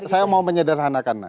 saya mau menyederhanakan